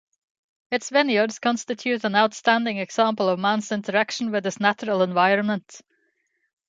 Its vineyards constitute an outstanding example of man's interaction with his natural environment.